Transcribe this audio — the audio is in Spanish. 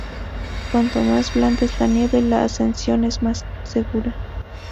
Cuanto más blanda es la nieve, la ascensión es más segura.